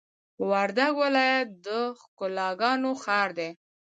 وردګ ولایت د ښکلاګانو ښار دی!